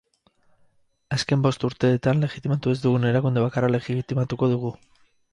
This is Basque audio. Azken bost urteetan legitimatu ez dugun erakunde bakarra legitimatuko dugu.